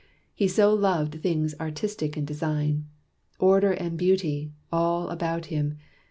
He so loved things artistic in design Order and beauty, all about him.